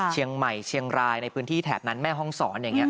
เชียงใหม่เชียงรายในพื้นที่แถบนั้นแม่ห้องศรอย่างนี้